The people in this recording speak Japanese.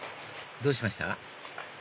どうしました？